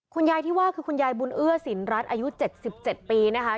คุณยายที่ว่าคือคุณยายบุญเอื้อสินรัฐอายุ๗๗ปีนะคะ